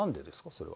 それは。